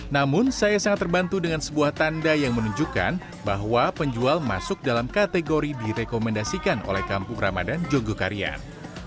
namun saya sangat terbantu dengan sebuah tanda yang menunjukkan bahwa penjual masuk dalam kategori direkomendasikan oleh kampung ramadan jogokarian